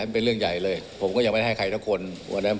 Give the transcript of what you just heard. เพียบภาษณะ